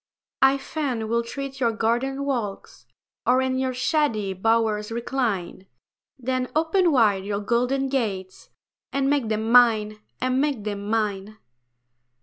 I fain would tread your garden walks, Or in your shady bowers recline; Then open wide your golden gates, And make them mine, and make them mine.